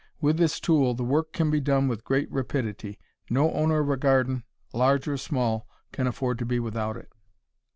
With this tool the work can be done with great rapidity. No owner of a garden, large or small, can afford to be without it.